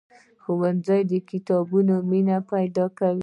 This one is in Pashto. ښوونځی د کتابونو مینه پیدا کوي